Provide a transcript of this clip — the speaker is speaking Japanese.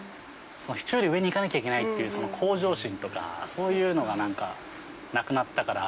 人より上に行かなきゃいけないっていう向上心とかそういうのが何かなくなったから。